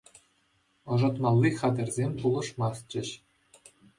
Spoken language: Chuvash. Ӑшӑтмалли хатӗрсем пулӑшмастчӗҫ.